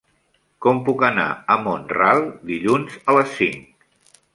Com puc anar a Mont-ral dilluns a les cinc?